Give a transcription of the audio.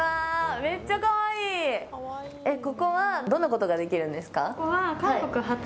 ここはどんなことができるんですか。